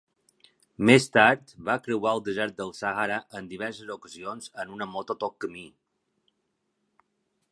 Més tard, va creuar el desert del Sahara en diverses ocasions en una moto tot camí.